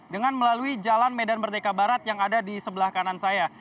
dengan melalui jalan medan merdeka barat yang ada di sebelah kanan saya